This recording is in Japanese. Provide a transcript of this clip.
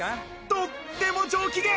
とっても上機嫌。